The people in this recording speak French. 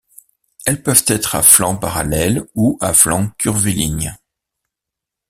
Elles peuvent être à flancs parallèles ou à flancs curvilignes.